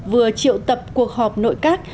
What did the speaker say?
vừa triệu tập cuộc họp nội các